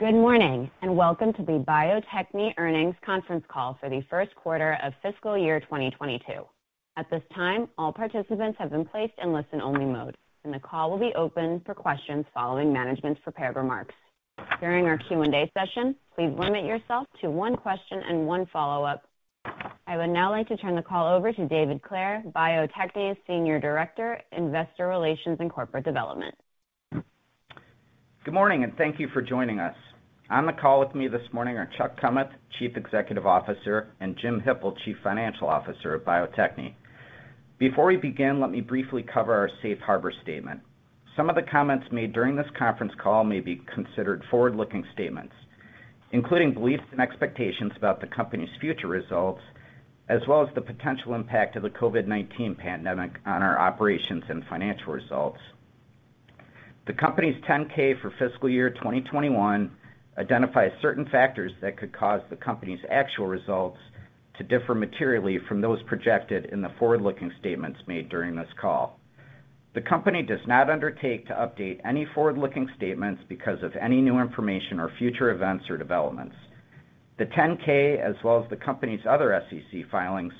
Good morning, and welcome to the Bio-Techne earnings conference call for the first quarter of Fiscal Year 2022. At this time, all participants have been placed in listen-only mode, and the call will be open for questions following management's prepared remarks. During our Q&A session, please limit yourself to one question and one follow-up. I would now like to turn the call over to David Clair, Bio-Techne's Senior Director, Investor Relations and Corporate Development. Good morning, and thank you for joining us. On the call with me this morning are Chuck Kummeth, Chief Executive Officer, and Jim Hippel, Chief Financial Officer of Bio-Techne. Before we begin, let me briefly cover our safe harbor statement. Some of the comments made during this conference call may be considered forward-looking statements, including beliefs and expectations about the company's future results, as well as the potential impact of the COVID-19 pandemic on our operations and financial results. The company's 10-K for fiscal year 2021 identifies certain factors that could cause the company's actual results to differ materially from those projected in the forward-looking statements made during this call. The company does not undertake to update any forward-looking statements because of any new information or future events or developments. The 10-K, as well as the company's other SEC filings,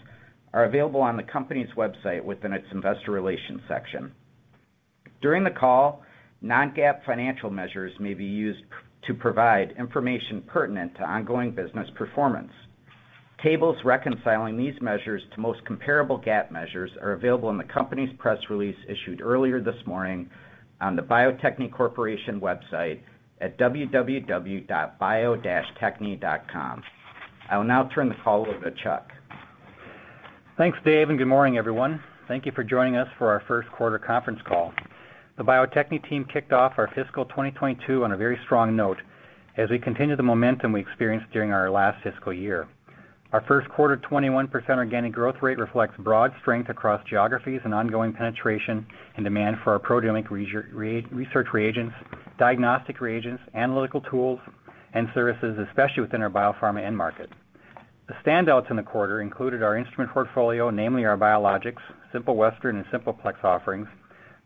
are available on the company's website within its investor relations section. During the call, non-GAAP financial measures may be used to provide information pertinent to ongoing business performance. Tables reconciling these measures to most comparable GAAP measures are available in the company's press release issued earlier this morning on the Bio-Techne Corporation website at www.bio-techne.com. I will now turn the call over to Chuck. Thanks, Dave, and good morning, everyone. Thank you for joining us for our first quarter conference call. The Bio-Techne team kicked off our Fiscal 2022 on a very strong note as we continue the momentum we experienced during our last fiscal year. Our first quarter 21% organic growth rate reflects broad strength across geographies and ongoing penetration and demand for our proteomic research reagents, diagnostic reagents, analytical tools, and services, especially within our biopharma end market. The standouts in the quarter included our instrument portfolio, namely our biologics, Simple Western and Simple Plex offerings,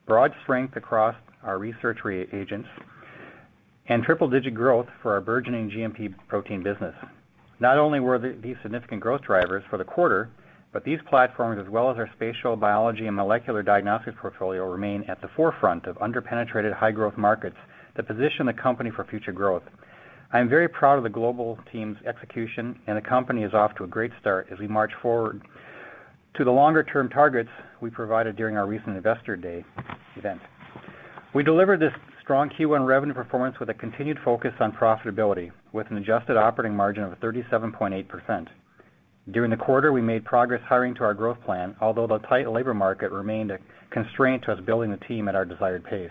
broad strength across our research reagents, and triple-digit growth for our burgeoning GMP protein business. Not only were these significant growth drivers for the quarter, but these platforms, as well as our spatial biology and molecular diagnostics portfolio, remain at the forefront of under-penetrated high-growth markets that position the company for future growth. I am very proud of the global team's execution, and the company is off to a great start as we march forward to the longer-term targets we provided during our recent Investor Day event. We delivered this strong Q1 revenue performance with a continued focus on profitability, with an adjusted operating margin of 37.8%. During the quarter, we made progress hiring to our growth plan, although the tight labor market remained a constraint to us building the team at our desired pace.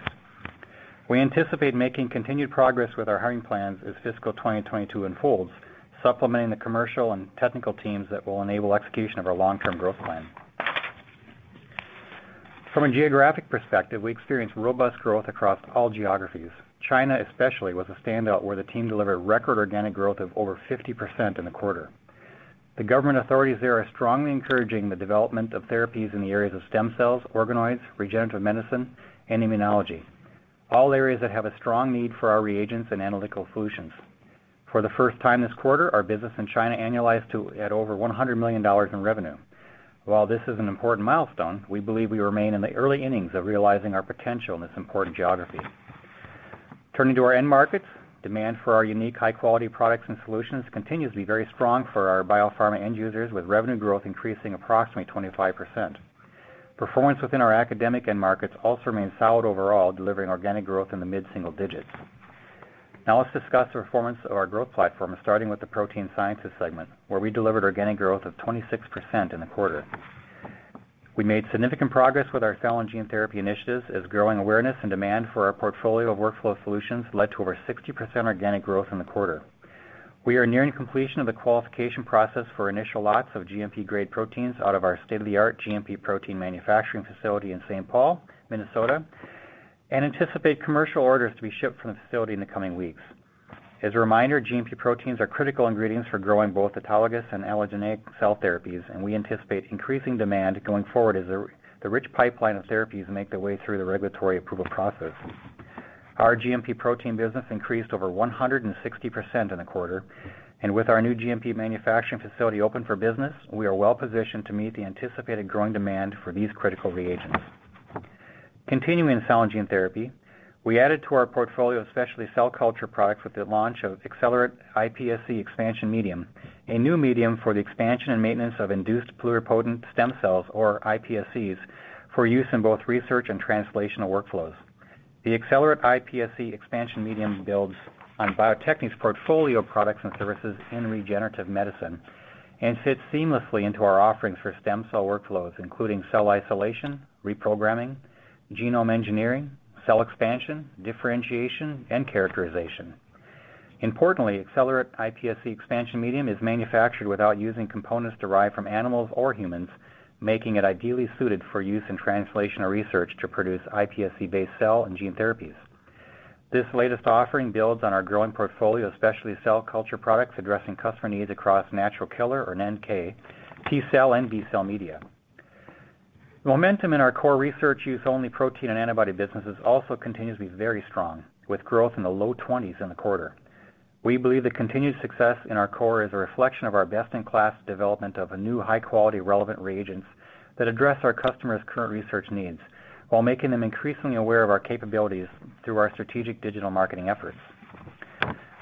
We anticipate making continued progress with our hiring plans as fiscal 2022 unfolds, supplementing the commercial and technical teams that will enable execution of our long-term growth plan. From a geographic perspective, we experienced robust growth across all geographies. China especially was a standout where the team delivered record organic growth of over 50% in the quarter. The government authorities there are strongly encouraging the development of therapies in the areas of stem cells, organoids, regenerative medicine, and immunology, all areas that have a strong need for our reagents and analytical solutions. For the first time this quarter, our business in China annualized to over $100 million in revenue. While this is an important milestone, we believe we remain in the early innings of realizing our potential in this important geography. Turning to our end markets, demand for our unique high-quality products and solutions continues to be very strong for our biopharma end users, with revenue growth increasing approximately 25%. Performance within our academic end markets also remains solid overall, delivering organic growth in the mid-single digits. Now let's discuss the performance of our growth platforms, starting with the protein sciences segment, where we delivered organic growth of 26% in the quarter. We made significant progress with our cell and gene therapy initiatives as growing awareness and demand for our portfolio of workflow solutions led to over 60% organic growth in the quarter. We are nearing completion of the qualification process for initial lots of GMP-grade proteins out of our state-of-the-art GMP protein manufacturing facility in St. Paul, Minnesota, and anticipate commercial orders to be shipped from the facility in the coming weeks. As a reminder, GMP proteins are critical ingredients for growing both autologous and allogeneic cell therapies, and we anticipate increasing demand going forward as the rich pipeline of therapies make their way through the regulatory approval process. Our GMP protein business increased over 160% in the quarter, and with our new GMP manufacturing facility open for business, we are well positioned to meet the anticipated growing demand for these critical reagents. Continuing in cell and gene therapy, we added to our portfolio of specialty cell culture products with the launch of ExCellerate iPSC Expansion Medium, a new medium for the expansion and maintenance of induced pluripotent stem cells, or iPSCs, for use in both research and translational workflows. The ExCellerate iPSC Expansion Medium builds on Bio-Techne's portfolio of products and services in regenerative medicine and fits seamlessly into our offerings for stem cell workflows, including cell isolation, reprogramming, genome engineering, cell expansion, differentiation, and characterization. Importantly, ExCellerate iPSC Expansion Medium is manufactured without using components derived from animals or humans, making it ideally suited for use in translational research to produce iPSC-based cell and gene therapies. This latest offering builds on our growing portfolio of specialty cell culture products addressing customer needs across natural killer, or NK, T-cell, and B-cell media. Momentum in our core research use only protein and antibody businesses also continues to be very strong, with growth in the low 20s in the quarter. We believe the continued success in our core is a reflection of our best-in-class development of a new high-quality relevant reagents that address our customers' current research needs while making them increasingly aware of our capabilities through our strategic digital marketing efforts.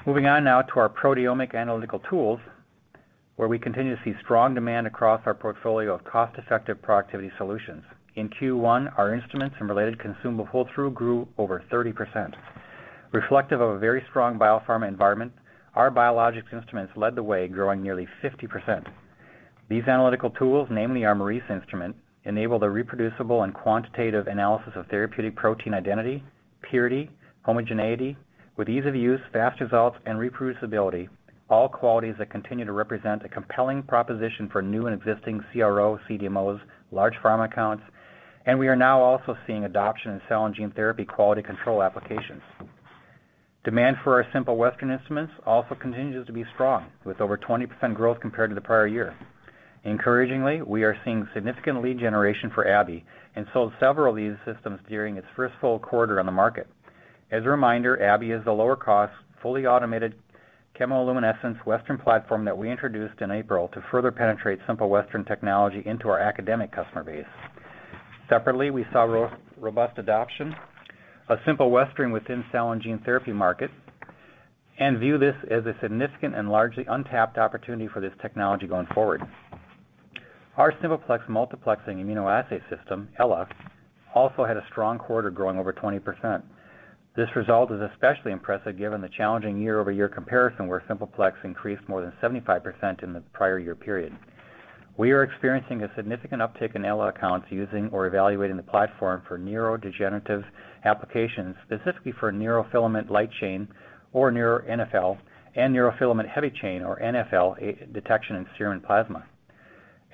Moving on now to our proteomic analytical tools, where we continue to see strong demand across our portfolio of cost-effective productivity solutions. In Q1, our instruments and related consumable pull-through grew over 30%. Reflective of a very strong biopharma environment, our biologics instruments led the way, growing nearly 50%. These analytical tools, namely our Maurice instrument, enable the reproducible and quantitative analysis of therapeutic protein identity, purity, homogeneity, with ease of use, fast results, and reproducibility, all qualities that continue to represent a compelling proposition for new and existing CRO, CDMOs, large pharma accounts, and we are now also seeing adoption in cell and gene therapy quality control applications. Demand for our Simple Western instruments also continues to be strong, with over 20% growth compared to the prior year. Encouragingly, we are seeing significant lead generation for Abby and sold several of these systems during its first full quarter on the market. As a reminder, Abby is the lower cost, fully automated chemiluminescence Western platform that we introduced in April to further penetrate Simple Western technology into our academic customer base. Separately, we saw robust adoption of Simple Plex within cell and gene therapy market and view this as a significant and largely untapped opportunity for this technology going forward. Our Simple Plex Multiplexing Immunoassay System, Ella, also had a strong quarter growing over 20%. This result is especially impressive given the challenging year-over-year comparison, where Simple Plex increased more than 75% in the prior year period. We are experiencing a significant uptick in Ella accounts using or evaluating the platform for neurodegenerative applications, specifically for neurofilament light chain or NfL and neurofilament heavy chain or NFH detection in serum and plasma.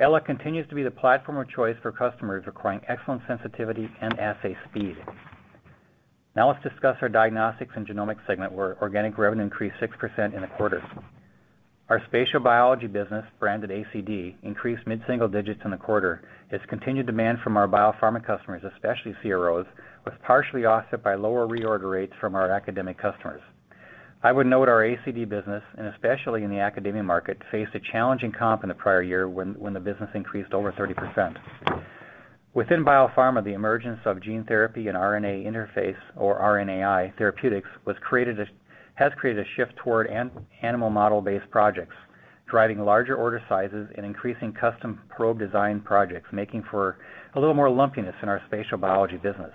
Ella continues to be the platform of choice for customers requiring excellent sensitivity and assay speed. Now let's discuss our Diagnostics and Genomics segment, where organic revenue increased 6% in the quarter. Our spatial biology business, branded ACD, increased mid-single digits in the quarter as continued demand from our biopharma customers, especially CROs, was partially offset by lower reorder rates from our academic customers. I would note our ACD business, and especially in the academia market, faced a challenging comp in the prior year when the business increased over 30%. Within biopharma, the emergence of gene therapy and RNA interference or RNAi therapeutics has created a shift toward animal model-based projects, driving larger order sizes and increasing custom probe design projects, making for a little more lumpiness in our spatial biology business.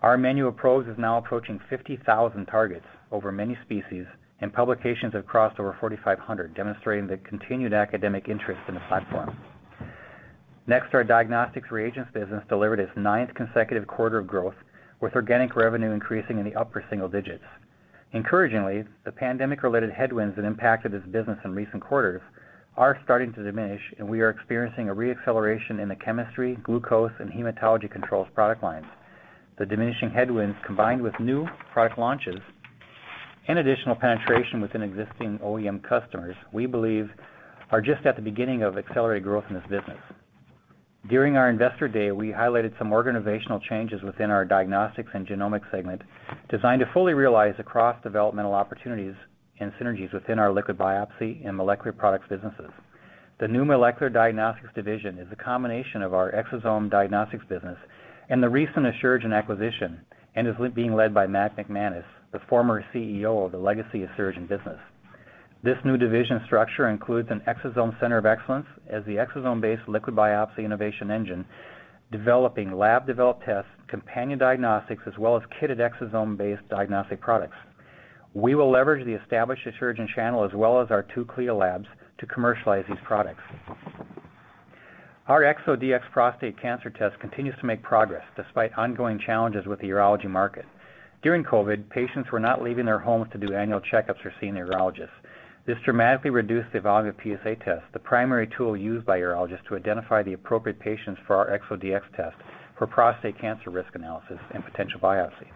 Our manual probes is now approaching 50,000 targets over many species, and publications have crossed over 4,500, demonstrating the continued academic interest in the platform. Next, our diagnostics reagents business delivered its ninth consecutive quarter of growth, with organic revenue increasing in the upper single digits. Encouragingly, the pandemic-related headwinds that impacted this business in recent quarters are starting to diminish, and we are experiencing a re-acceleration in the chemistry, glucose, and hematology controls product lines. The diminishing headwinds, combined with new product launches and additional penetration within existing OEM customers, we believe are just at the beginning of accelerated growth in this business. During our Investor Day, we highlighted some organizational changes within our Diagnostics and Genomics segment designed to fully realize the cross-developmental opportunities and synergies within our liquid biopsy and molecular products businesses. The new molecular diagnostics division is a combination of our exosome diagnostics business and the recent Asuragen acquisition and is being led by Matt McManus, the former CEO of the legacy Asuragen business. This new division structure includes an exosome center of excellence as the exosome-based liquid biopsy innovation engine, developing lab-developed tests, companion diagnostics, as well as kitted exosome-based diagnostic products. We will leverage the established Asuragen channel as well as our two CLIA labs to commercialize these products. Our ExoDx prostate cancer test continues to make progress despite ongoing challenges with the urology market. During COVID, patients were not leaving their homes to do annual checkups or seeing urologists. This dramatically reduced the volume of PSA tests, the primary tool used by urologists to identify the appropriate patients for our ExoDx test for prostate cancer risk analysis and potential biopsy.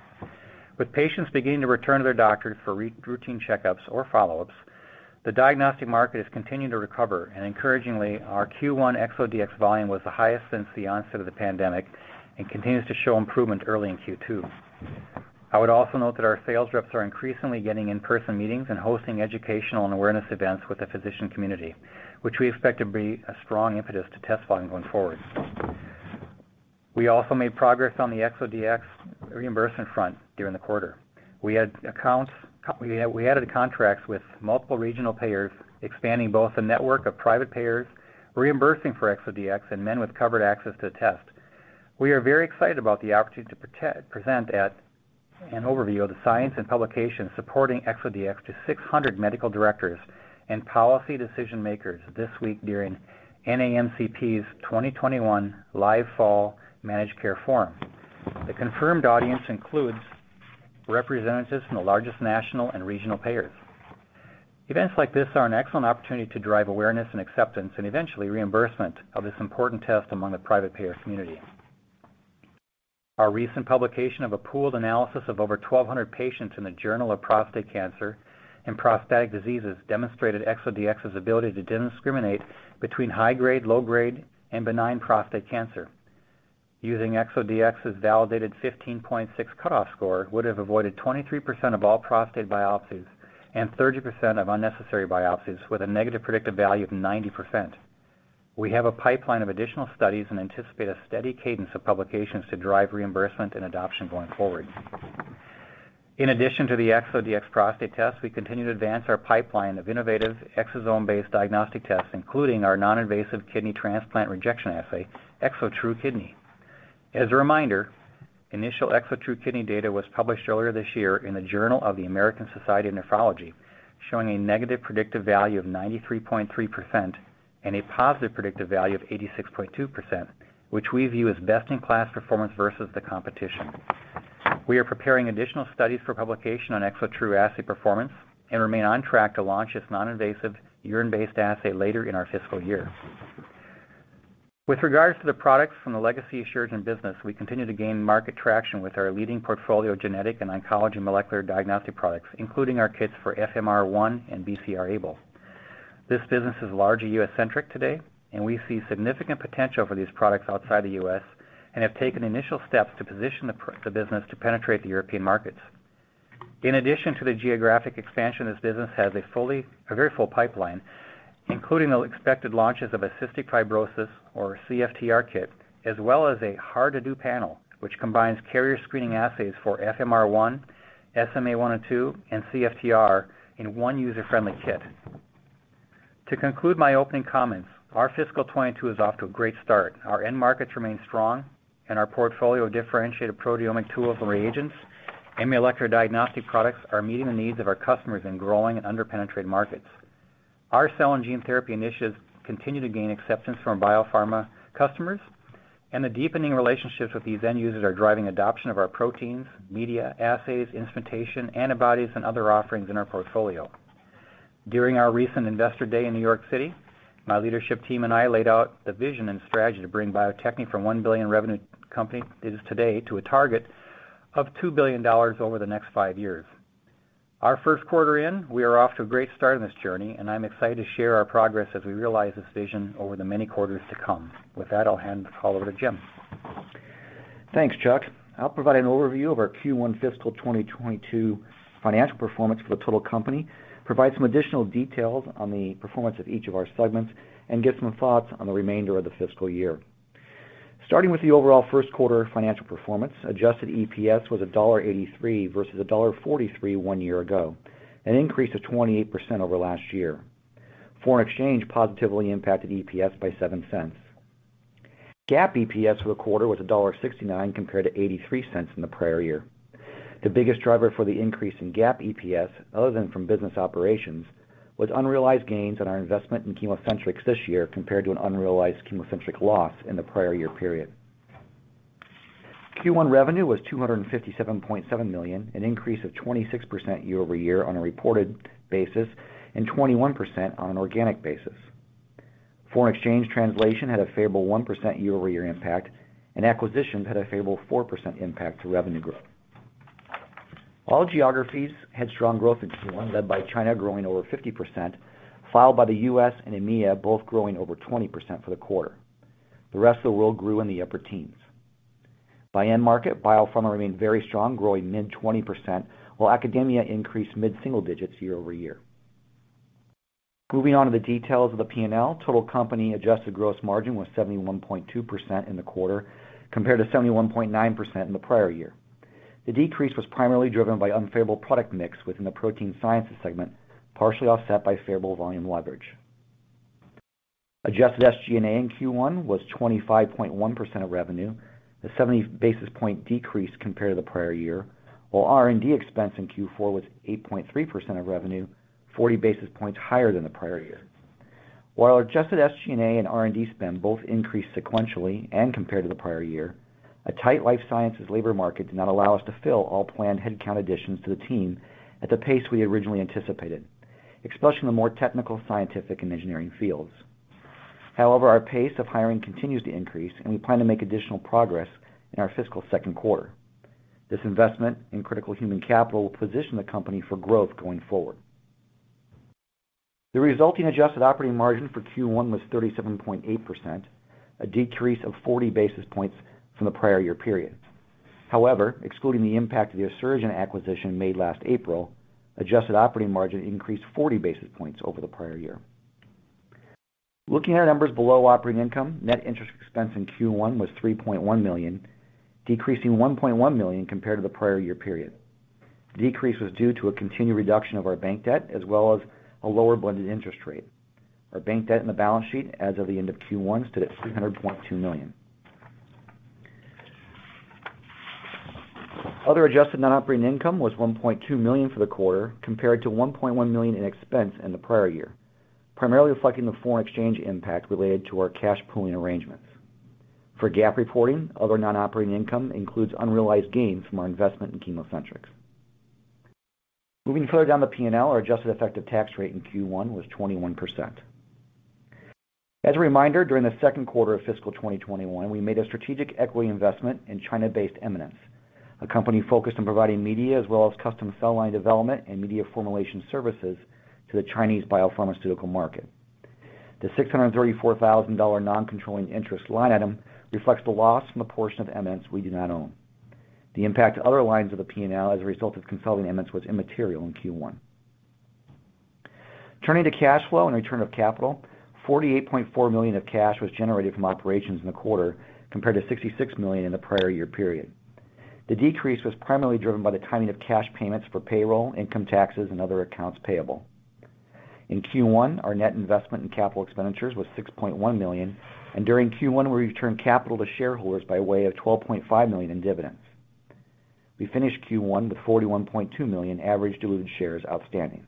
With patients beginning to return to their doctors for routine checkups or follow-ups, the diagnostic market is continuing to recover. Encouragingly, our Q1 ExoDx volume was the highest since the onset of the pandemic and continues to show improvement early in Q2. I would also note that our sales reps are increasingly getting in-person meetings and hosting educational and awareness events with the physician community, which we expect to be a strong impetus to test volume going forward. We also made progress on the ExoDx reimbursement front during the quarter. We added contracts with multiple regional payers, expanding both the network of private payers reimbursing for ExoDx and men with covered access to the test. We are very excited about the opportunity to present an overview of the science and publications supporting ExoDx to 600 medical directors and policy decision-makers this week during NAMCP's 2021 Live Fall Managed Care Forum. The confirmed audience includes representatives from the largest national and regional payers. Events like this are an excellent opportunity to drive awareness and acceptance and eventually reimbursement of this important test among the private payer community. Our recent publication of a pooled analysis of over 1,200 patients in Prostate Cancer and Prostatic Diseases demonstrated ExoDx's ability to discriminate between high grade, low grade, and benign prostate cancer. Using ExoDx's validated 15.6 cutoff score would have avoided 23% of all prostate biopsies and 30% of unnecessary biopsies, with a negative predictive value of 90%. We have a pipeline of additional studies and anticipate a steady cadence of publications to drive reimbursement and adoption going forward. In addition to the ExoDx prostate test, we continue to advance our pipeline of innovative exosome-based diagnostic tests, including our non-invasive kidney transplant rejection assay, ExoTRU Kidney. As a reminder, initial ExoTRU Kidney data was published earlier this year in the Journal of the American Society of Nephrology, showing a negative predictive value of 93.3% and a positive predictive value of 86.2%, which we view as best in class performance versus the competition. We are preparing additional studies for publication on ExoTRU assay performance and remain on track to launch its non-invasive urine-based assay later in our fiscal year. With regards to the products from the legacy Asuragen business, we continue to gain market traction with our leading portfolio of genetic and oncology molecular diagnostic products, including our kits for FMR1 and BCR-ABL. This business is largely U.S.-centric today, and we see significant potential for these products outside the U.S. and have taken initial steps to position the business to penetrate the European markets. In addition to the geographic expansion, this business has a very full pipeline, including the expected launches of a cystic fibrosis or CFTR kit, as well as a hard-to-do panel, which combines carrier screening assays for FMR1, SMA one and two, and CFTR in one user-friendly kit. To conclude my opening comments, our fiscal 2022 is off to a great start. Our end markets remain strong, and our portfolio of differentiated proteomic tools and reagents, and molecular diagnostic products are meeting the needs of our customers in growing and under-penetrated markets. Our cell and gene therapy initiatives continue to gain acceptance from biopharma customers, and the deepening relationships with these end users are driving adoption of our proteins, media, assays, instrumentation, antibodies, and other offerings in our portfolio. During our recent Investor Day in New York City, my leadership team and I laid out the vision and strategy to bring Bio-Techne from a $1 billion revenue company it is today to a target of $2 billion over the next five years. Our first quarter in, we are off to a great start in this journey, and I'm excited to share our progress as we realize this vision over the many quarters to come. With that, I'll hand the call over to Jim. Thanks, Chuck. I'll provide an overview of our Q1 Fiscal 2022 financial performance for the total company, provide some additional details on the performance of each of our segments, and give some thoughts on the remainder of the fiscal year. Starting with the overall first quarter financial performance, adjusted EPS was $1.83 versus $1.43 one year ago, an increase of 28% over last year. Foreign exchange positively impacted EPS by $0.07. GAAP EPS for the quarter was $1.69 compared to $0.83 in the prior year. The biggest driver for the increase in GAAP EPS, other than from business operations, was unrealized gains on our investment in ChemoCentryx this year compared to an unrealized ChemoCentryx loss in the prior year period. Q1 revenue was $257.7 million, an increase of 26% year-over-year on a reported basis and 21% on an organic basis. Foreign exchange translation had a favorable 1% year-over-year impact, and acquisitions had a favorable 4% impact to revenue growth. All geographies had strong growth in Q1, led by China growing over 50%, followed by the U.S. and EMEA both growing over 20% for the quarter. The rest of the world grew in the upper teens. By end market, biopharma remained very strong, growing mid-20%, while academia increased mid-single digits year-over-year. Moving on to the details of the P&L, total company adjusted gross margin was 71.2% in the quarter, compared to 71.9% in the prior year. The decrease was primarily driven by unfavorable product mix within the protein sciences segment, partially offset by favorable volume leverage. Adjusted SG&A in Q1 was 25.1% of revenue, a 70 basis points decrease compared to the prior year, while R&D expense in Q4 was 8.3% of revenue, 40 basis points higher than the prior year. While adjusted SG&A and R&D spend both increased sequentially and compared to the prior year, a tight life sciences labor market did not allow us to fill all planned headcount additions to the team at the pace we originally anticipated, especially in the more technical, scientific, and engineering fields. However, our pace of hiring continues to increase, and we plan to make additional progress in our fiscal second quarter. This investment in critical human capital will position the company for growth going forward. The resulting adjusted operating margin for Q1 was 37.8%, a decrease of 40 basis points from the prior year period. However, excluding the impact of the Asuragen acquisition made last April, adjusted operating margin increased 40 basis points over the prior year. Looking at our numbers below operating income, net interest expense in Q1 was $3.1 million, decreasing $1.1 million compared to the prior year period. The decrease was due to a continued reduction of our bank debt, as well as a lower blended interest rate. Our bank debt in the balance sheet as of the end of Q1 stood at $300.2 million. Other adjusted non-operating income was $1.2 million for the quarter, compared to $1.1 million in expense in the prior year, primarily reflecting the foreign exchange impact related to our cash pooling arrangements. For GAAP reporting, other non-operating income includes unrealized gains from our investment in ChemoCentryx. Moving further down the P&L, our adjusted effective tax rate in Q1 was 21%. As a reminder, during the second quarter of fiscal 2021, we made a strategic equity investment in China-based Eminence, a company focused on providing media as well as custom cell line development and media formulation services to the Chinese biopharmaceutical market. The $634,000 non-controlling interest line item reflects the loss from the portion of Eminence we do not own. The impact to other lines of the P&L as a result of consolidating Eminence was immaterial in Q1. Turning to cash flow and return of capital, $48.4 million of cash was generated from operations in the quarter compared to $66 million in the prior year period. The decrease was primarily driven by the timing of cash payments for payroll, income taxes, and other accounts payable. In Q1, our net investment in capital expenditures was $6.1 million, and during Q1, we returned capital to shareholders by way of $12.5 million in dividends. We finished Q1 with 41.2 million average diluted shares outstanding.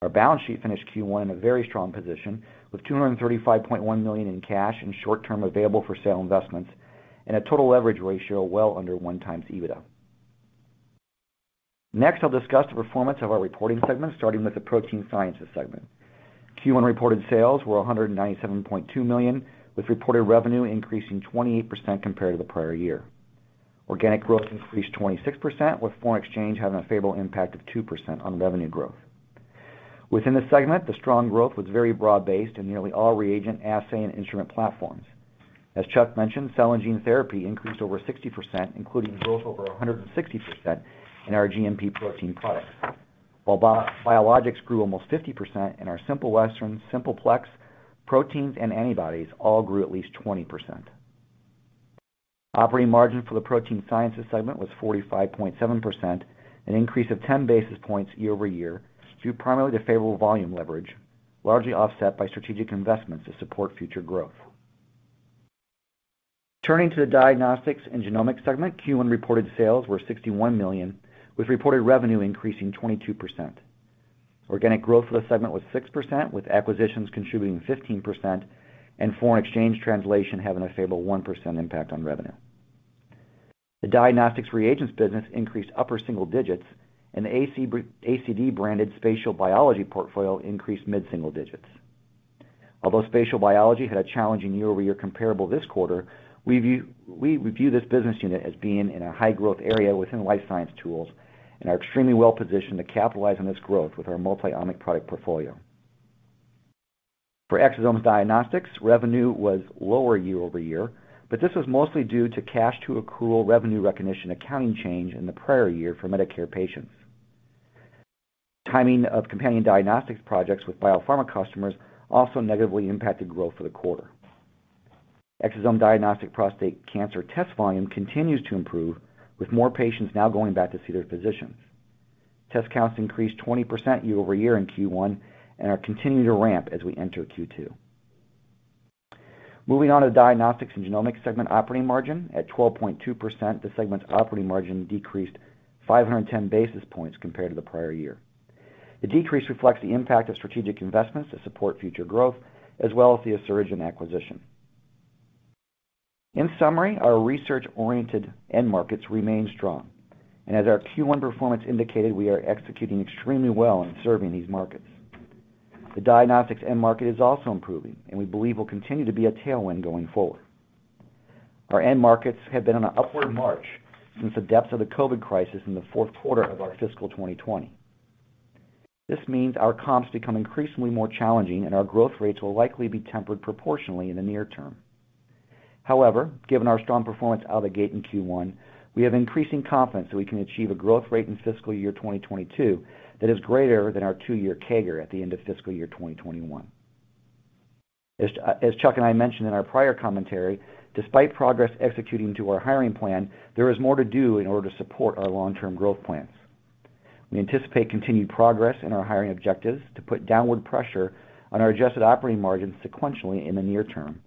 Our balance sheet finished Q1 in a very strong position, with $235.1 million in cash and short-term available for sale investments, and a total leverage ratio well under 1x EBITDA. Next, I'll discuss the performance of our reporting segments, starting with the protein sciences segment. Q1 reported sales were $197.2 million, with reported revenue increasing 28% compared to the prior year. Organic growth increased 26%, with foreign exchange having a favorable impact of 2% on revenue growth. Within the segment, the strong growth was very broad-based in nearly all reagent, assay, and instrument platforms. As Chuck mentioned, cell and gene therapy increased over 60%, including growth over 160% in our GMP protein products. While biologics grew almost 50% and our Simple Western, Simple Plex proteins and antibodies all grew at least 20%. Operating margin for the Protein Sciences segment was 45.7%, an increase of 10 basis points year-over-year, due primarily to favorable volume leverage, largely offset by strategic investments to support future growth. Turning to the Diagnostics and Genomics segment, Q1 reported sales were $61 million, with reported revenue increasing 22%. Organic growth for the segment was 6%, with acquisitions contributing 15% and foreign exchange translation having a favorable 1% impact on revenue. The diagnostics reagents business increased upper single digits, and the ACD branded spatial biology portfolio increased mid-single digits. Although spatial biology had a challenging year-over-year comparable this quarter, we view this business unit as being in a high-growth area within life science tools and are extremely well-positioned to capitalize on this growth with our multi-omic product portfolio. For exosome diagnostics, revenue was lower year-over-year, but this was mostly due to cash to accrual revenue recognition accounting change in the prior year for Medicare patients. Timing of companion diagnostics projects with biopharma customers also negatively impacted growth for the quarter. Exosome diagnostic prostate cancer test volume continues to improve, with more patients now going back to see their physicians. Test counts increased 20% year-over-year in Q1 and are continuing to ramp as we enter Q2. Moving on to diagnostics and genomics segment operating margin. At 12.2%, the segment's operating margin decreased 510 basis points compared to the prior year. The decrease reflects the impact of strategic investments to support future growth, as well as the Asuragen acquisition. In summary, our research-oriented end markets remain strong, and as our Q1 performance indicated, we are executing extremely well in serving these markets. The diagnostics end market is also improving, and we believe will continue to be a tailwind going forward. Our end markets have been on an upward march since the depths of the COVID crisis in the fourth quarter of our Fiscal 2020. This means our comps become increasingly more challenging, and our growth rates will likely be tempered proportionally in the near term. However, given our strong performance out of the gate in Q1, we have increasing confidence that we can achieve a growth rate in fiscal year 2022 that is greater than our two-year CAGR at the end of fiscal year 2021. As Chuck and I mentioned in our prior commentary, despite progress executing to our hiring plan, there is more to do in order to support our long-term growth plans. We anticipate continued progress in our hiring objectives to put downward pressure on our adjusted operating margin sequentially in the near term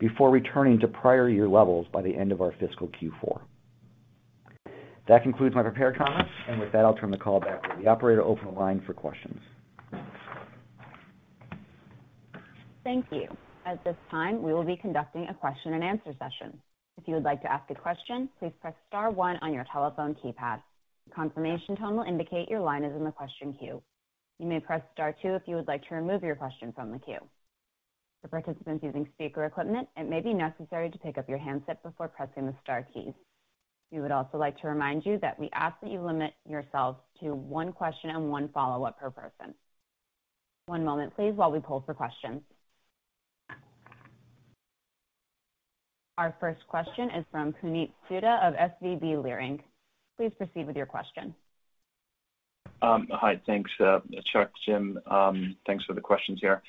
before returning to prior year levels by the end of our fiscal Q4. That concludes my prepared comments, and with that, I'll turn the call back to the operator to open the line for questions. Thank you. At this time, we will be conducting a question and answer session. If you would like to ask a question, please press star one on your telephone keypad. A confirmation tone will indicate your line is in the question queue. You may press star two if you would like to remove your question from the queue. For participants using speaker equipment, it may be necessary to pick up your handset before pressing the star keys. We would also like to remind you that we ask that you limit yourselves to one question and one follow-up per person. One moment, please, while we poll for questions. Our first question is from Puneet Souda of SVB Leerink. Please proceed with your question. Hi. Thanks, Chuck, Jim. Thanks for the questions here.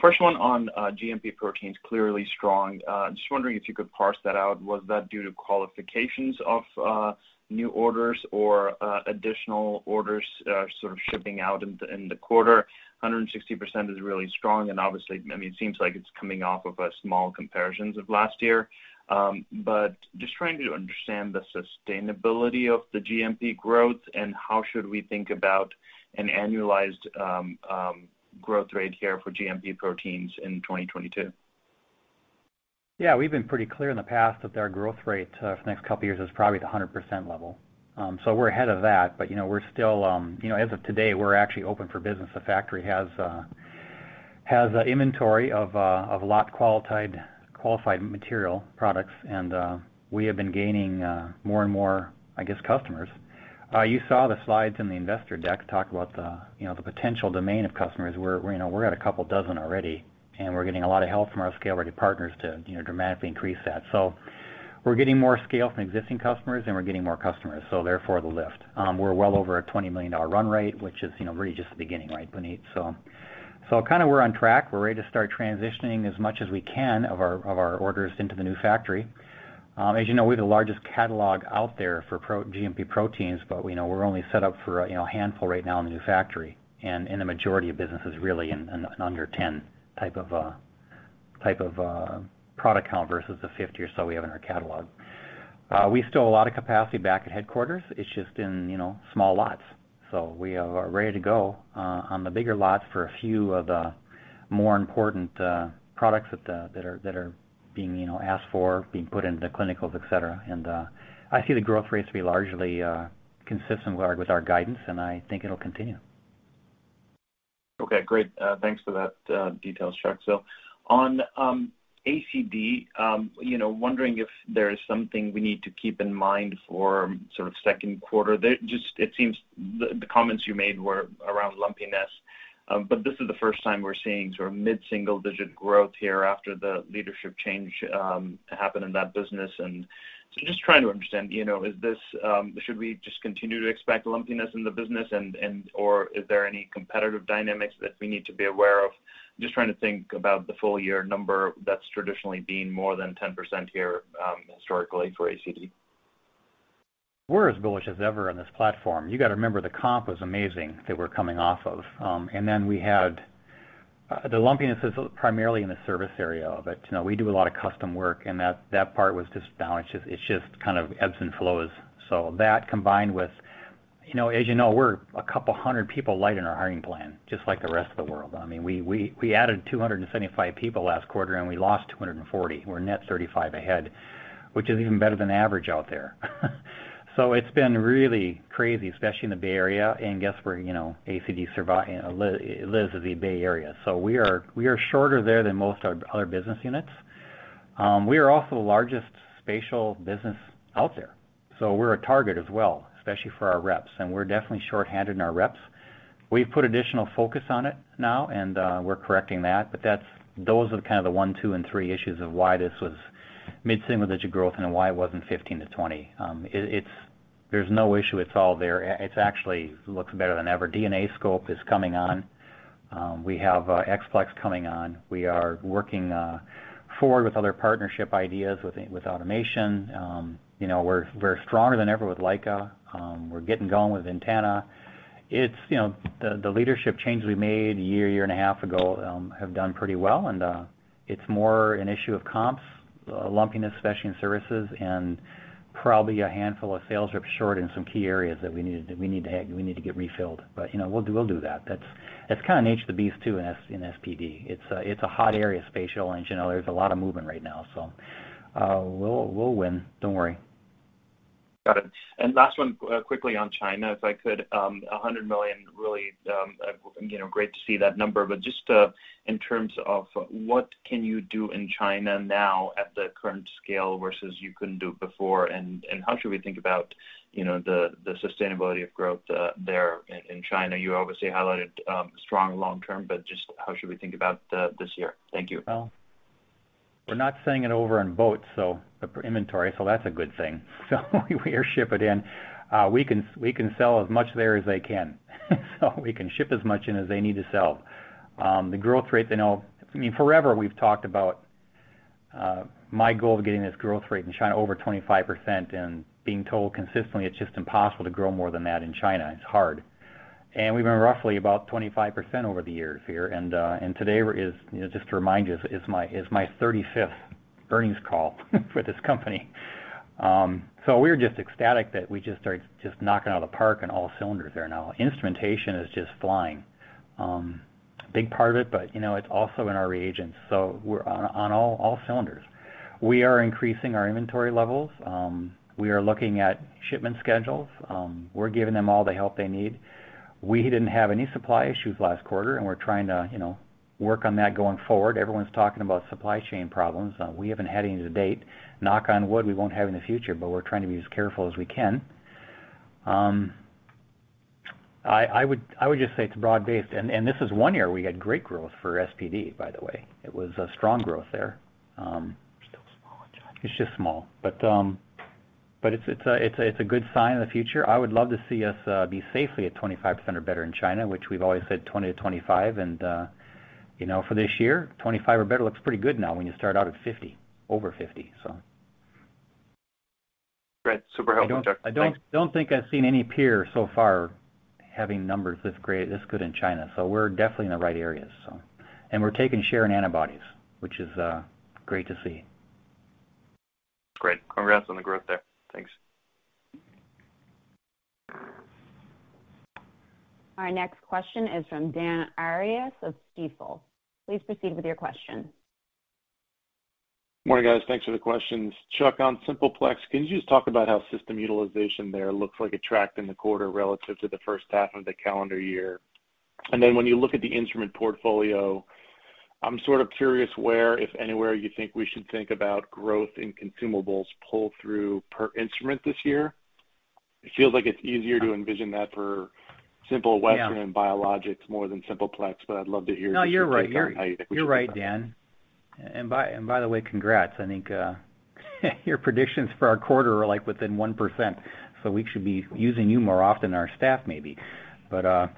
First one on GMP proteins, clearly strong. Just wondering if you could parse that out. Was that due to qualifications of new orders or additional orders sort of shipping out in the quarter? 100% is really strong, and obviously, I mean, it seems like it's coming off of small comparisons of last year. But just trying to understand the sustainability of the GMP growth and how should we think about an annualized growth rate here for GMP proteins in 2022? Yeah, we've been pretty clear in the past that our growth rate for the next couple of years is probably the 100% level. So we're ahead of that, but you know, we're still you know, as of today, we're actually open for business. The factory has an inventory of lot-qualified material products, and we have been gaining more and more, I guess, customers. You saw the slides in the investor deck talk about the you know, the potential domain of customers where you know, we're at a couple dozen already, and we're getting a lot of help from our ScaleReady partners to you know, dramatically increase that. So we're getting more scale from existing customers, and we're getting more customers, so therefore the lift. We're well over a $20 million run rate, which is, you know, really just the beginning, right, Puneet? Kind of we're on track. We're ready to start transitioning as much as we can of our orders into the new factory. As you know, we're the largest catalog out there for GMP proteins, but we know we're only set up for, you know, a handful right now in the new factory. The majority of business is really in under 10 type of product count versus the 50 or so we have in our catalog. We store a lot of capacity back at headquarters. It's just in, you know, small lots. We are ready to go on the bigger lots for a few of the more important products that are being, you know, asked for, being put into the clinicals, et cetera. I see the growth rates to be largely consistent with our guidance, and I think it'll continue. Okay, great. Thanks for that details, Chuck. On ACD, you know, wondering if there is something we need to keep in mind for sort of second quarter. It seems the comments you made were around lumpiness, but this is the first time we're seeing sort of mid-single-digit growth here after the leadership change happen in that business. Just trying to understand, you know, is this should we just continue to expect lumpiness in the business and or is there any competitive dynamics that we need to be aware of? Just trying to think about the full year number that's traditionally been more than 10% here, historically for ACD. We're as bullish as ever on this platform. You got to remember the comp was amazing that we're coming off of. We had the lumpiness is primarily in the service area of it. You know, we do a lot of custom work, and that part was just down. It's just kind of ebbs and flows. That combined with, you know, as you know, we're a couple 100 people light in our hiring plan, just like the rest of the world. I mean, we added 275 people last quarter, and we lost 240. We're net 35 ahead, which is even better than average out there. It's been really crazy, especially in the Bay Area. Guess where, you know, ACD lives, the Bay Area. We are shorter there than most of our other business units. We are also the largest spatial business out there, so we're a target as well, especially for our reps, and we're definitely shorthanded in our reps. We've put additional focus on it now, and we're correcting that. That's the kind of one, two, and three issues of why this was mid-single-digit growth and why it wasn't 15%-20%. There's no issue, it's all there. It's actually looks better than ever. DNAscope is coming on. We have HiPlex coming on. We are working forward with other partnership ideas with automation. You know, we're stronger than ever with Leica. We're getting going with Ventana. It's the leadership change we made a year and a half ago have done pretty well, and it's more an issue of comps, lumpiness, especially in services, and probably a handful of sales reps short in some key areas that we need to get refilled. We'll do that. That's kind of nature of the beast, too, in SPD. It's a hot area, spatial, and there's a lot of movement right now. We'll win. Don't worry. Got it. Last one quickly on China, if I could, $100 million really, you know, great to see that number. But just in terms of what can you do in China now at the current scale versus you couldn't do before? And how should we think about, you know, the sustainability of growth there in China? You obviously highlighted strong long term, but just how should we think about this year? Thank you. Well, we're not sending it over on boats, so the inventory, so that's a good thing. We air ship it in. We can sell as much there as they can. We can ship as much in as they need to sell. The growth rate, they know. I mean, forever we've talked about my goal of getting this growth rate in China over 25% and being told consistently it's just impossible to grow more than that in China. It's hard. We've been roughly about 25% over the years here. Today is, you know, just to remind you, my 35th earnings call for this company. We're just ecstatic that we just started knocking out of the park on all cylinders there now. Instrumentation is just flying. Big part of it, but, you know, it's also in our reagents. We're on all cylinders. We are increasing our inventory levels. We are looking at shipment schedules. We're giving them all the help they need. We didn't have any supply issues last quarter, and we're trying to, you know, work on that going forward. Everyone's talking about supply chain problems. We haven't had any to date. Knock on wood, we won't have in the future, but we're trying to be as careful as we can. I would just say it's broad-based. This is one year we had great growth for SPD, by the way. It was a strong growth there. Still small in China. It's just small. It's a good sign of the future. I would love to see us be safely at 25% or better in China, which we've always said 20%-25%. You know, for this year, 25% or better looks pretty good now when you start out at 50, over 50. Great. Super helpful, Chuck. Thanks. I don't think I've seen any peer so far having numbers this great, this good in China, so we're definitely in the right areas so. We're taking share in antibodies, which is great to see. Great. Congrats on the growth there. Thanks. Our next question is from Dan Arias of Stifel. Please proceed with your question. Morning, guys. Thanks for the questions. Chuck, on Simple Plex, can you just talk about how system utilization there looks like it tracked in the quarter relative to the first half of the calendar year? Then when you look at the instrument portfolio, I'm sort of curious where, if anywhere, you think we should think about growth in consumables pull-through per instrument this year. It feels like it's easier to envision that for Simple Western. Yeah. biologics more than Simple Plex, but I'd love to hear No, you're right. You're right, Dan. And by the way, congrats. I think your predictions for our quarter are, like, within 1%, so we should be using you more often than our staff, maybe. But I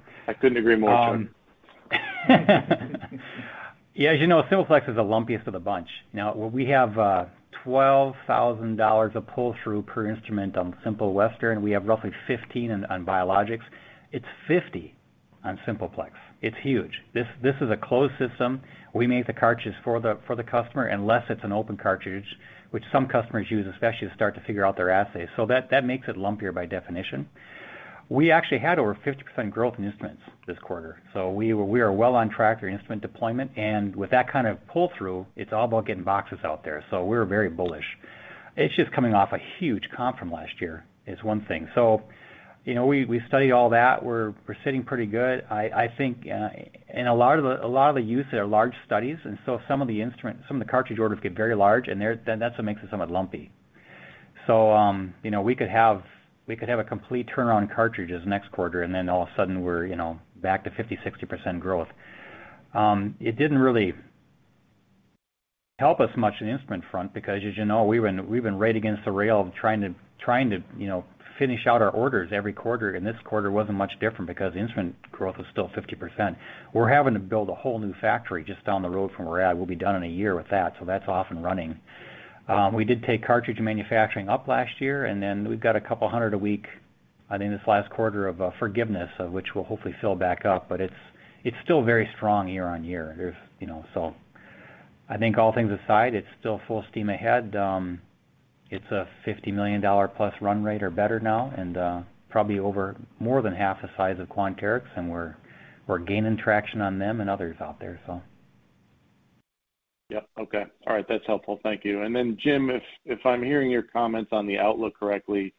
couldn't agree more, Chuck. Yeah, as you know, Simple Plex is the lumpiest of the bunch. Now, we have $12,000 of pull-through per instrument on Simple Western. We have roughly $15,000 on Novus Biologicals. It's $50,000 on Simple Plex. It's huge. This is a closed system. We make the cartridges for the customer, unless it's an open cartridge, which some customers use, especially to start to figure out their assays. That makes it lumpier by definition. We actually had over 50% growth in instruments this quarter, so we are well on track for instrument deployment. And with that kind of pull-through, it's all about getting boxes out there. We're very bullish. It's just coming off a huge comp from last year is one thing. You know, we studied all that. We're sitting pretty good. I think a lot of the uses are large studies, and some of the instruments, cartridge orders get very large, and they're that what makes it somewhat lumpy. You know, we could have a complete turnaround in cartridges next quarter, and then all of a sudden we're back to 50%-60% growth. It didn't really help us much in the instrument front because, as you know, we've been right against the rail trying to finish out our orders every quarter, and this quarter wasn't much different because the instrument growth was still 50%. We're having to build a whole new factory just down the road from where we're at. We'll be done in a year with that, so that's off and running. We did take cartridge manufacturing up last year, and then we've got a couple hundred a week, I think, this last quarter of forgiveness, of which we'll hopefully fill back up. It's still very strong year-over-year. You know, I think all things aside, it's still full steam ahead. It's a $50 million plus run rate or better now and probably over more than half the size of Quanterix, and we're gaining traction on them and others out there. Yep. Okay. All right. That's helpful. Thank you. Jim, if I'm hearing your comments on the outlook correctly,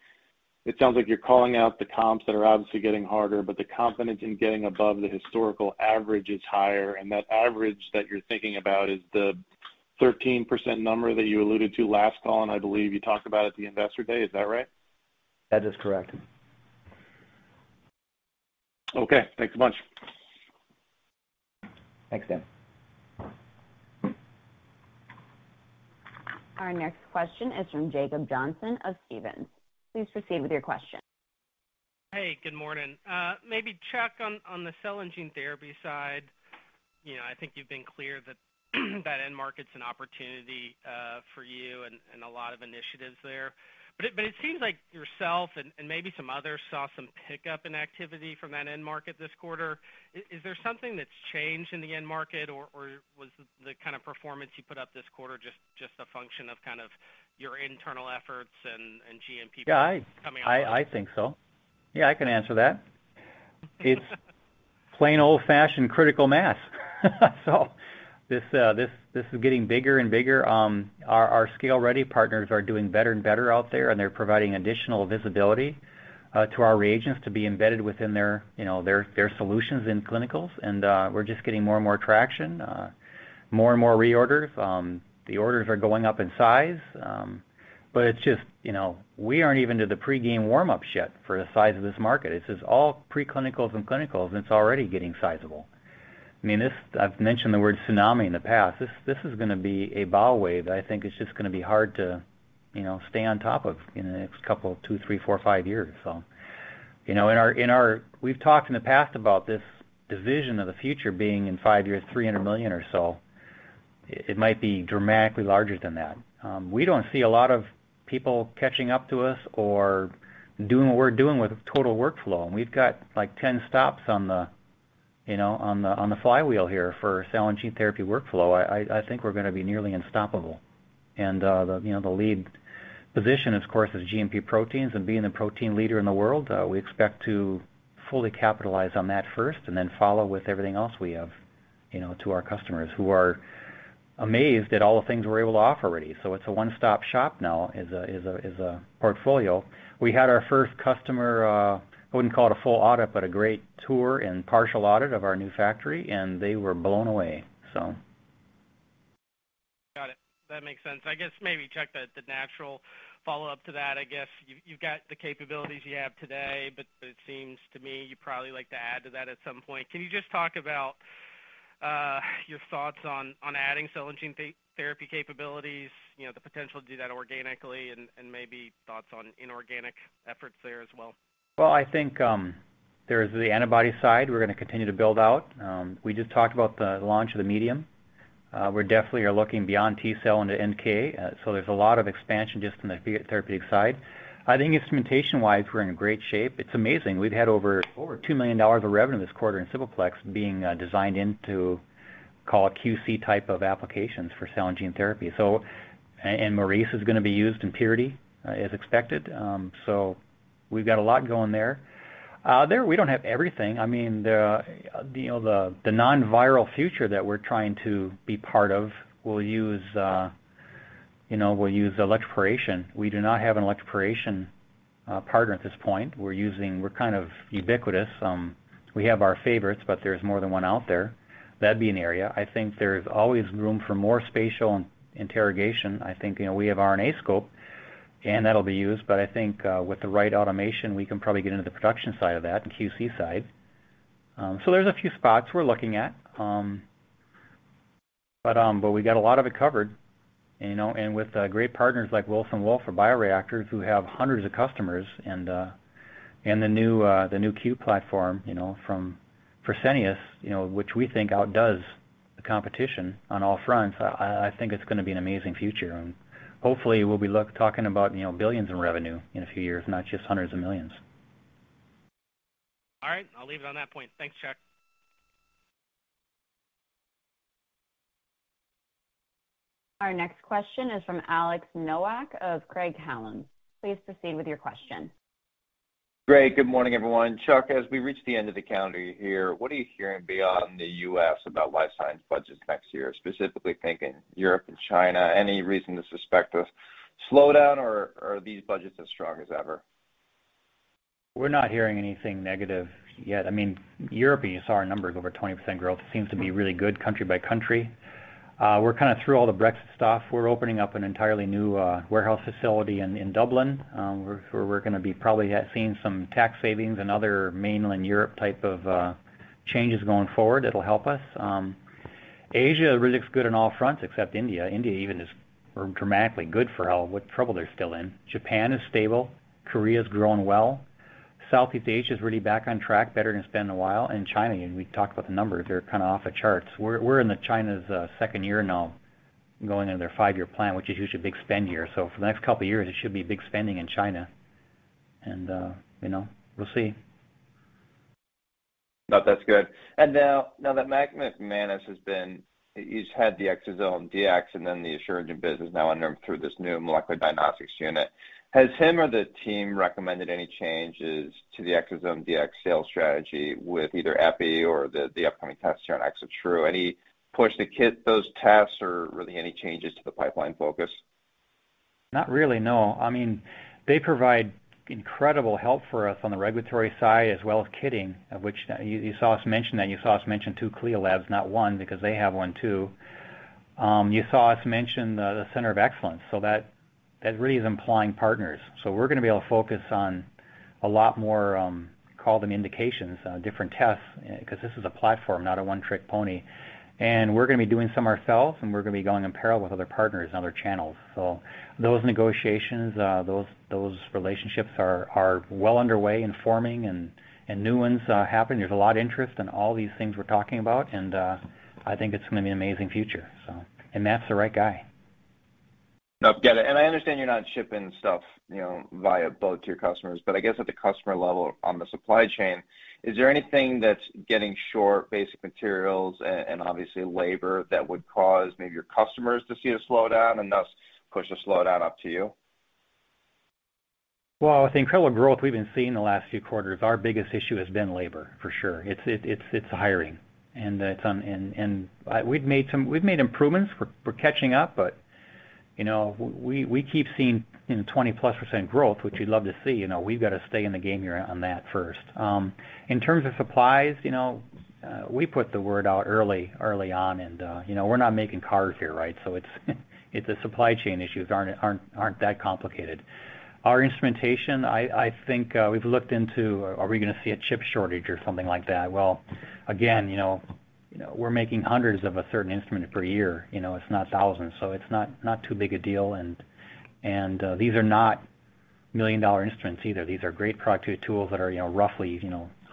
it sounds like you're calling out the comps that are obviously getting harder, but the confidence in getting above the historical average is higher, and that average that you're thinking about is the 13% number that you alluded to last call, and I believe you talked about at the Investor Day. Is that right? That is correct. Okay. Thanks a bunch. Thanks, Dan. Our next question is from Jacob Johnson of Stephens. Please proceed with your question. Hey, good morning. Maybe, Chuck, on the cell and gene therapy side, you know, I think you've been clear that end market's an opportunity for you and a lot of initiatives there. It seems like yourself and maybe some others saw some pickup in activity from that end market this quarter. Is there something that's changed in the end market or was the kind of performance you put up this quarter just a function of kind of your internal efforts and GMP- Yeah. coming online? I think so. Yeah, I can answer that. It's plain old-fashioned critical mass. This is getting bigger and bigger. Our ScaleReady partners are doing better and better out there, and they're providing additional visibility to our reagents to be embedded within their solutions in clinicals. We're just getting more and more traction, more and more reorders. The orders are going up in size. It's just we aren't even to the pre-game warm-up yet for the size of this market. It's just all preclinicals and clinicals, and it's already getting sizable. I mean, I've mentioned the word tsunami in the past. This is gonna be a bow wave that I think is just gonna be hard to, you know, stay on top of in the next couple, two, three, four, five years, so. You know, in our. We've talked in the past about this division of the future being in five years, $300 million or so. It might be dramatically larger than that. We don't see a lot of people catching up to us or doing what we're doing with total workflow. We've got, like, 10 stops on the, you know, flywheel here for cell and gene therapy workflow. I think we're gonna be nearly unstoppable. You know, the lead position, of course, is GMP proteins and being the protein leader in the world, we expect to fully capitalize on that first and then follow with everything else we have, you know, to our customers who are amazed at all the things we're able to offer already. It's a one-stop shop now as a portfolio. We had our first customer, I wouldn't call it a full audit, but a great tour and partial audit of our new factory, and they were blown away. Got it. That makes sense. I guess maybe, Chuck, the natural follow-up to that. I guess you've got the capabilities you have today, but it seems to me you'd probably like to add to that at some point. Can you just talk about your thoughts on adding cell and gene therapy capabilities, you know, the potential to do that organically and maybe thoughts on inorganic efforts there as well? Well, I think, there's the antibody side we're gonna continue to build out. We just talked about the launch of the medium. We're definitely looking beyond T-cell into NK, so there's a lot of expansion just in the therapeutic side. I think instrumentation-wise, we're in great shape. It's amazing. We've had over $2 million of revenue this quarter in Simple Plex being designed into, call it a QC type of applications for cell and gene therapy. Maurice is going to be used in purity, as expected. We've got a lot going there. There, we don't have everything. I mean, you know, the non-viral future that we're trying to be part of will use electroporation. We do not have an electroporation partner at this point. We're using. We're kind of ubiquitous. We have our favorites, but there's more than one out there. That'd be an area. I think there's always room for more spatial interrogation. I think, you know, we have RNAscope, and that'll be used, but I think, with the right automation, we can probably get into the production side of that, the QC side. So there's a few spots we're looking at. But we've got a lot of it covered, you know. With great partners like Wilson Wolf for bioreactors who have hundreds of customers and the new Q platform, you know, from Fresenius, you know, which we think outdoes the competition on all fronts, I think it's gonna be an amazing future. Hopefully, we'll be talking about, you know, billions in revenue in a few years, not just hundreds of millions. All right. I'll leave it on that point. Thanks, Chuck. Our next question is from Alex Nowak of Craig-Hallum. Please proceed with your question. Great. Good morning, everyone. Chuck, as we reach the end of the calendar year, what are you hearing beyond the U.S. about life science budgets next year, specifically thinking Europe and China? Any reason to suspect a slowdown, or are these budgets as strong as ever? We're not hearing anything negative yet. I mean, Europe, you saw our numbers, over 20% growth. It seems to be really good country by country. We're kind of through all the Brexit stuff. We're opening up an entirely new warehouse facility in Dublin, where we're gonna be probably seeing some tax savings and other mainland Europe type of changes going forward that'll help us. Asia really looks good on all fronts, except India. India even is dramatically good for all, with trouble they're still in. Japan is stable. Korea's growing well. Southeast Asia is really back on track, better than it's been in a while. China, we talked about the numbers, they're kind of off the charts. We're in China's second year now going into their five-year plan, which is usually a big spend year. For the next couple of years, it should be big spending in China. You know, we'll see. No, that's good. Now that Matt McManus has been, he's had the ExoDx and then the Asuragen business now under, through this new molecular diagnostics unit. Has he or the team recommended any changes to the ExoDx sales strategy with either Epi or the upcoming test here on ExoTRU? Any push to kit those tests or really any changes to the pipeline focus? Not really, no. I mean, they provide incredible help for us on the regulatory side as well as kitting, of which you saw us mention two CLIA labs, not one, because they have one, too. You saw us mention the Center of Excellence. That really is implying partners. We're gonna be able to focus on a lot more, call them indications, different tests 'cause this is a platform, not a one-trick pony. We're gonna be doing some ourselves, and we're gonna be going in parallel with other partners and other channels. Those negotiations, those relationships are well underway in forming and new ones happen. There's a lot of interest in all these things we're talking about, and I think it's gonna be an amazing future. Matt's the right guy. No, get it. I understand you're not shipping stuff, you know, via boat to your customers, but I guess at the customer level on the supply chain, is there anything that's getting short, basic materials and obviously labor that would cause maybe your customers to see a slowdown and thus push a slowdown up to you? Well, with the incredible growth we've been seeing the last few quarters, our biggest issue has been labor, for sure. It's hiring. We've made improvements. We're catching up. You know, we keep seeing, you know, 20%+ growth, which we love to see. You know, we've got to stay in the game here on that first. In terms of supplies, you know, we put the word out early on and, you know, we're not making cars here, right? It's supply chain issues aren't that complicated. Our instrumentation, I think we've looked into are we gonna see a chip shortage or something like that. Well, again, you know, we're making hundreds of a certain instrument per year. You know, it's not thousands, so it's not too big a deal. These are not million-dollar instruments either. These are great productivity tools that are, you know, roughly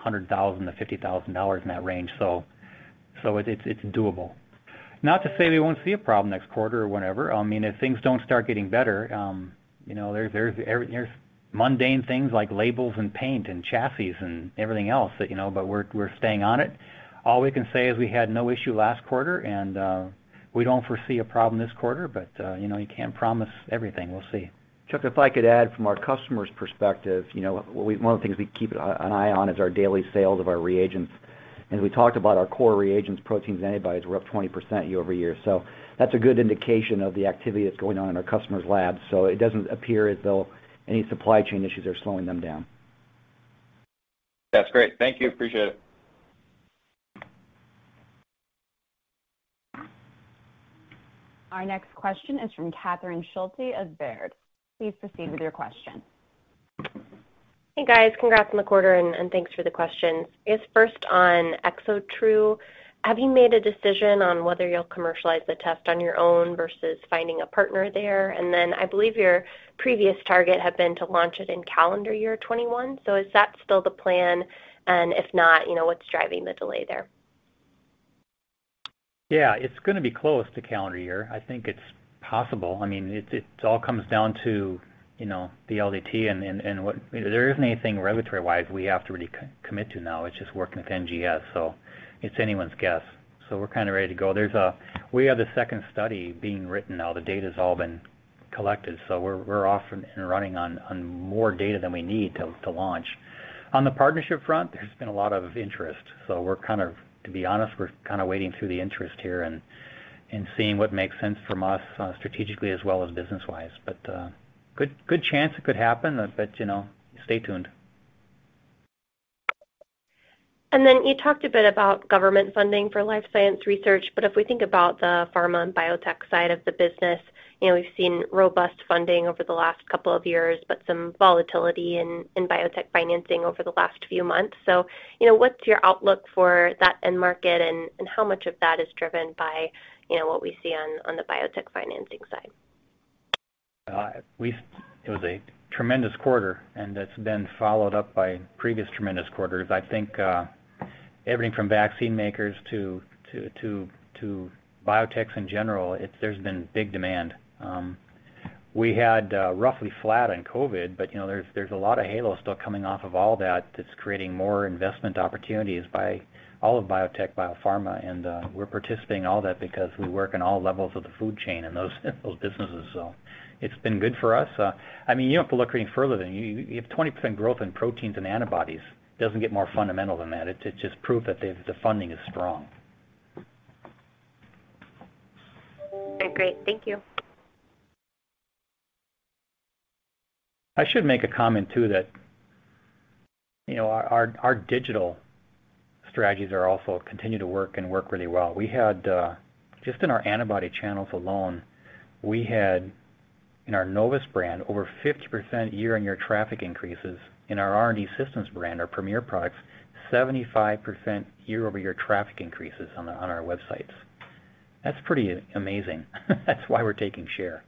$100,000-$50,000 in that range. It's doable. Not to say we won't see a problem next quarter or whenever. I mean, if things don't start getting better, you know, there's mundane things like labels and paint and chassis and everything else that you know, but we're staying on it. All we can say is we had no issue last quarter, and we don't foresee a problem this quarter, but you know, you can't promise everything. We'll see. Chuck, if I could add from our customers' perspective, you know, one of the things we keep an eye on is our daily sales of our reagents. We talked about our core reagents, proteins, and antibodies were up 20% year-over-year. That's a good indication of the activity that's going on in our customers' labs. It doesn't appear as though any supply chain issues are slowing them down. That's great. Thank you. Appreciate it. Our next question is from Catherine Schulte of Baird. Please proceed with your question. Hey, guys. Congrats on the quarter, and thanks for the questions. First on ExoTRU, have you made a decision on whether you'll commercialize the test on your own versus finding a partner there? And then I believe your previous target had been to launch it in calendar year 2021. So is that still the plan? And if not, you know, what's driving the delay there? Yeah, it's gonna be close to calendar year. I think it's possible. I mean, it all comes down to, you know, the LDT and what there isn't anything regulatory-wise we have to really commit to now. It's just working with NGS. It's anyone's guess. We're kind of ready to go. We have the second study being written now. The data's all been collected. We're off and running on more data than we need to launch. On the partnership front, there's been a lot of interest, to be honest, we're kinda wading through the interest here and seeing what makes sense from us, strategically as well as business-wise. Good chance it could happen, but you know, stay tuned. Then you talked a bit about government funding for life science research, but if we think about the pharma and biotech side of the business, you know, we've seen robust funding over the last couple of years, but some volatility in biotech financing over the last few months. You know, what's your outlook for that end market, and how much of that is driven by, you know, what we see on the biotech financing side? It was a tremendous quarter, and that's been followed up by previous tremendous quarters. I think everything from vaccine makers to biotechs in general, there's been big demand. We had roughly flat on COVID, but you know, there's a lot of halo still coming off of all that that's creating more investment opportunities by all of biotech, biopharma, and we're participating in all that because we work in all levels of the food chain in those businesses. It's been good for us. I mean, you don't have to look any further than you have 20% growth in proteins and antibodies. Doesn't get more fundamental than that. It's just proof that the funding is strong. Okay, great. Thank you. I should make a comment too that, you know, our digital strategies are also continue to work and work really well. We had just in our antibody channels alone, in our Novus brand, over 50% year-on-year traffic increases. In our R&D Systems brand, our premier products, 75% year-over-year traffic increases on our websites. That's pretty amazing. That's why we're taking share.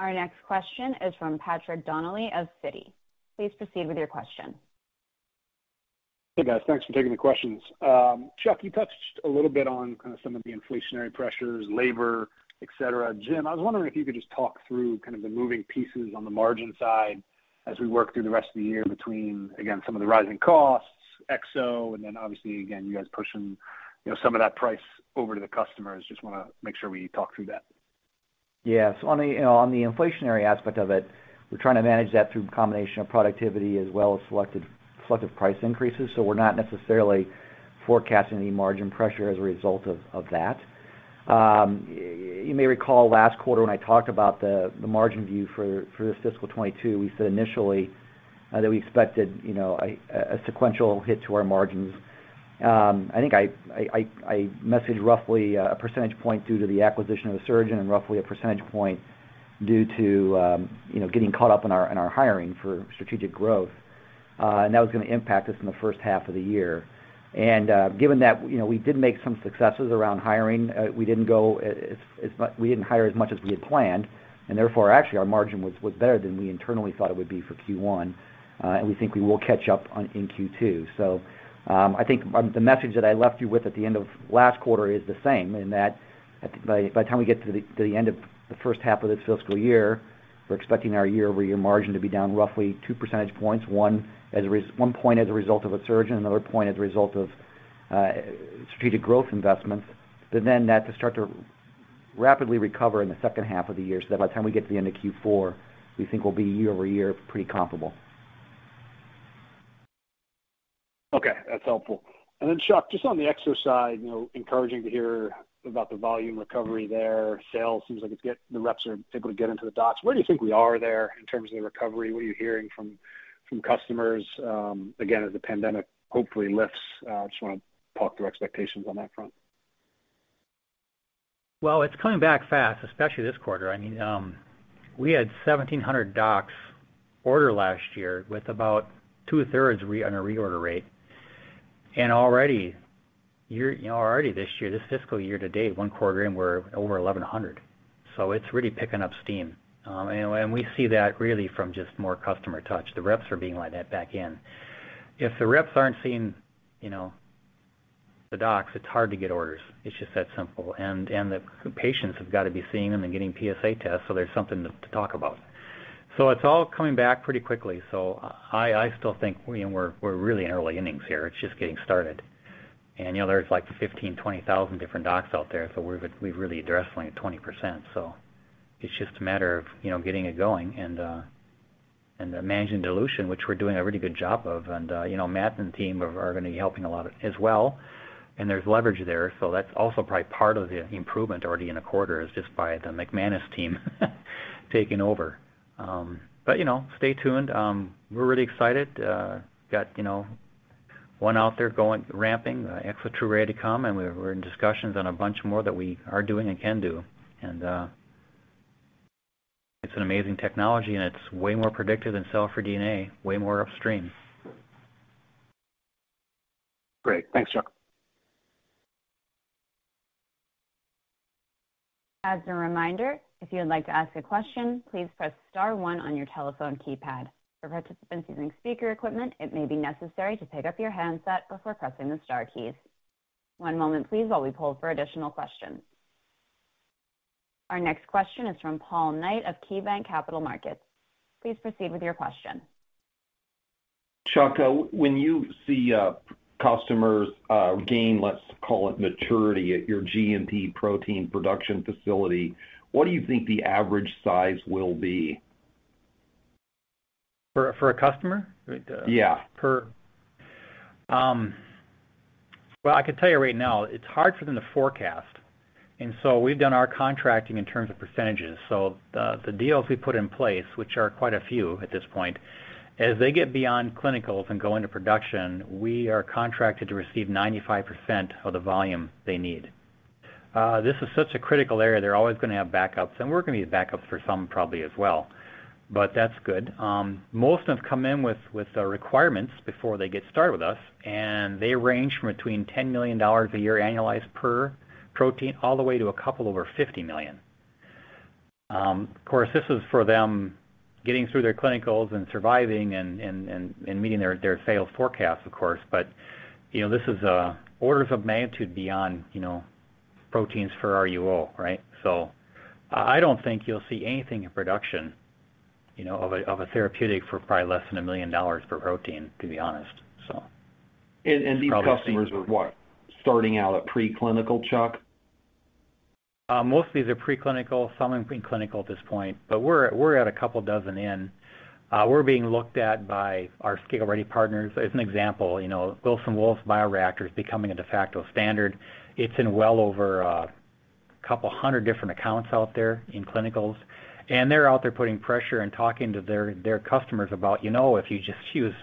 Our next question is from Patrick Donnelly of Citi. Please proceed with your question. Hey, guys. Thanks for taking the questions. Chuck, you touched a little bit on kind of some of the inflationary pressures, labor, et cetera. Jim, I was wondering if you could just talk through kind of the moving pieces on the margin side as we work through the rest of the year between, again, some of the rising costs, Exo, and then obviously, again, you guys pushing, you know, some of that price over to the customers. Just wanna make sure we talk through that. Yeah. On the, you know, on the inflationary aspect of it, we're trying to manage that through a combination of productivity as well as selective price increases, so we're not necessarily forecasting any margin pressure as a result of that. You may recall last quarter when I talked about the margin view for this Fiscal 2022, we said initially that we expected, you know, a sequential hit to our margins. I think I messaged roughly a percentage point due to the acquisition of Asuragen and roughly a percentage point due to, you know, getting caught up in our hiring for strategic growth, and that was gonna impact us in the first half of the year. Given that, you know, we did make some successes around hiring, we didn't hire as much as we had planned, and therefore, actually, our margin was better than we internally thought it would be for Q1, and we think we will catch up in Q2. I think the message that I left you with at the end of last quarter is the same, in that by the time we get to the end of the first half of this fiscal year, we're expecting our year-over-year margin to be down roughly two percentage points, one point as a result of Asuragen, another point as a result of strategic growth investments. That'll start to rapidly recover in the second half of the year, so that by the time we get to the end of Q4, we think we'll be year-over-year pretty comparable. Okay. That's helpful. Then, Chuck, just on the Exo side, you know, encouraging to hear about the volume recovery there. Sales seems like it's the reps are able to get into the docs. Where do you think we are there in terms of the recovery? What are you hearing from customers, again, as the pandemic hopefully lifts? Just wanna talk through expectations on that front. Well, it's coming back fast, especially this quarter. I mean, we had 1,700 docs order last year with about two-thirds on a reorder rate. Already this year, you know, this fiscal year to date, one quarter in, we're over 1,100. It's really picking up steam. We see that really from just more customer touch. The reps are being let back in. If the reps aren't seeing, you know, the docs, it's hard to get orders. It's just that simple. The patients have got to be seen and then getting PSA tests, so there's something to talk about. It's all coming back pretty quickly. I still think we're really in early innings here. It's just getting started. You know, there's like 15, 20,000 different docs out there, so we've really addressed only 20%. It's just a matter of, you know, getting it going and managing dilution, which we're doing a really good job of. You know, Matt and team are gonna be helping a lot as well, and there's leverage there. That's also probably part of the improvement already in the quarter is just by the McManus team taking over. You know, stay tuned. We're really excited. Got, you know, one out there going, ramping, Exo 2 ready to come, and we're in discussions on a bunch more that we are doing and can do. It's an amazing technology, and it's way more predictive than cell-free DNA, way more upstream. Great. Thanks, Chuck. As a reminder, if you would like to ask a question, please press star one on your telephone keypad. For participants using speaker equipment, it may be necessary to pick up your handset before pressing the star key. One moment, please, while we poll for additional questions. Our next question is from Paul Knight of KeyBanc Capital Markets. Please proceed with your question. Chuck, when you see customers gain, let's call it maturity at your GMP protein production facility, what do you think the average size will be? For a customer? Yeah. Well, I can tell you right now, it's hard for them to forecast, and so we've done our contracting in terms of percentages. The deals we put in place, which are quite a few at this point, as they get beyond clinicals and go into production, we are contracted to receive 95% of the volume they need. This is such a critical area, they're always gonna have backups, and we're gonna need backups for some probably as well, but that's good. Most of them come in with the requirements before they get started with us, and they range from between $10 million a year annualized per protein all the way to a couple over $50 million. Of course, this is for them getting through their clinicals and surviving and meeting their sales forecast, of course. This is orders of magnitude beyond, you know, proteins for RUO, right? I don't think you'll see anything in production, you know, of a therapeutic for probably less than a million dollar per protein, to be honest. These customers are what? Starting out at preclinical, Chuck? Most of these are preclinical. Some are in preclinical at this point, but we're at a couple dozen in. We're being looked at by our ScaleReady partners. As an example, you know, Wilson Wolf bioreactor is becoming a de facto standard. It's in well over a couple hundred different accounts out there in clinicals, and they're out there putting pressure and talking to their customers about, "You know, if you just use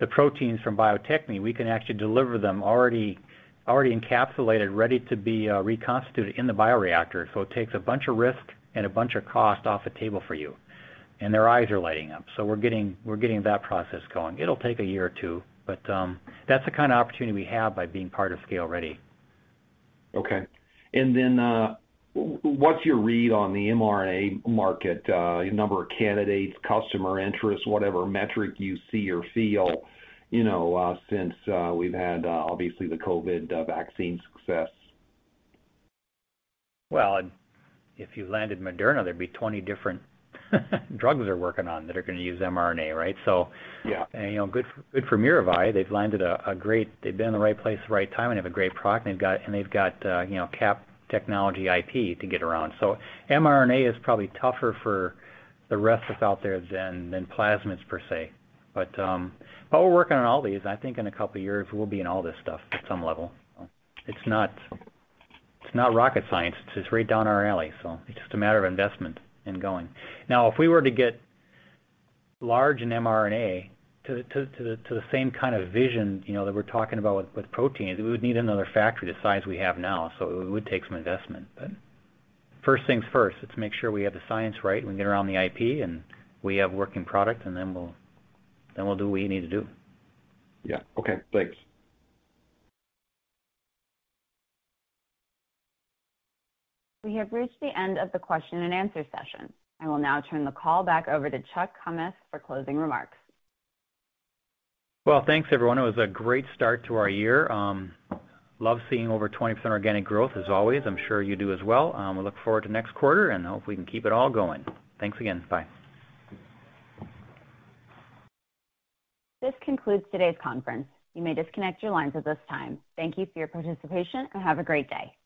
the proteins from Bio-Techne, we can actually deliver them already encapsulated, ready to be reconstituted in the bioreactor. So it takes a bunch of risk and a bunch of cost off the table for you." Their eyes are lighting up, so we're getting that process going. It'll take a year or two, but that's the kind of opportunity we have by being part of ScaleReady. Okay. What's your read on the mRNA market, number of candidates, customer interest, whatever metric you see or feel, you know, since we've had obviously the COVID vaccine success? Well, if you landed Moderna, there'd be 20 different drugs they're working on that are gonna use mRNA, right, so. Yeah. You know, good for Maravai. They've landed a great. They've been in the right place at the right time, and have a great product, and they've got, you know, cap technology IP to get around. So mRNA is probably tougher for the rest that's out there than plasmids per se. But we're working on all these. I think in a couple years we'll be in all this stuff at some level. It's not rocket science. It's right down our alley, so it's just a matter of investment and going. Now, if we were to get large in mRNA to the same kind of vision, you know, that we're talking about with proteins, we would need another factory the size we have now. So it would take some investment. First things first, let's make sure we have the science right, we get around the IP, and we have working product, and then we'll do what we need to do. Yeah. Okay. Thanks. We have reached the end of the question and answer session. I will now turn the call back over to Chuck Kummeth for closing remarks. Well, thanks everyone. It was a great start to our year. Love seeing over 20% organic growth as always. I'm sure you do as well. We look forward to next quarter, and hopefully we can keep it all going. Thanks again. Bye. This concludes today's conference. You may disconnect your lines at this time. Thank you for your participation, and have a great day.